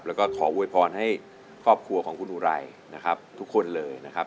แล้วก็ขอบวยพรให้ครอบครัวของคุณอุไรทุกคนเลย